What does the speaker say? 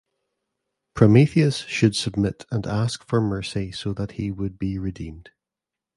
Prometheus should submit and ask for mercy so that he would be redeemed.